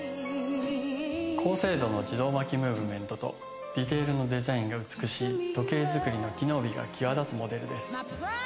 高精度の自動巻きムーブメントとディティールのデザインが美しい時計作りの機能美が際立つモデルです。